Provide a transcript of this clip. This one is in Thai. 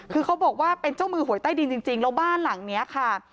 คือเขาบอกว่าเป็นเจ้ามือหวยใต้ดินจริงแล้วบ้านหลังนี้ค่ะ